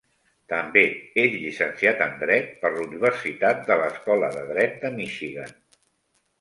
També és llicenciat en dret per l"universitat de l' Escola de dret de Michigan.